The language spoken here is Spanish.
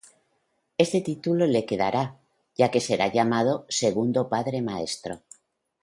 Este título le quedará, ya que será llamado "Il Padre Maestro".